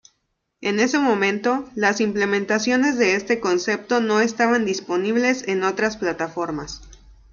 En ese momento, las implementaciones de este concepto no estaban disponibles en otras plataformas.